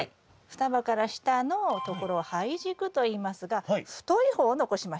双葉から下のところを胚軸といいますが太い方を残しましょう。